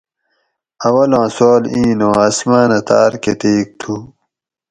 اولاں سوال اِیں نوں آسماۤنہ تاۤر کتیک تھُو